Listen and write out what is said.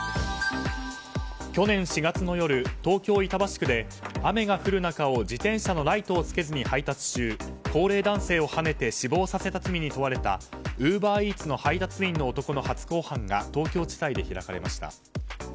去年４月の夜、東京・板橋区で雨が降る中を自転車のライトをつけずに配達中高齢男性をはねて死亡させた罪に問われたウーバーイーツの配達員の男の初公判が東京地裁で開かれました。